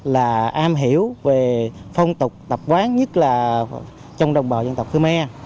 là am hiểu về phong tục tập quán nhất là trong đồng bào dân tộc khmer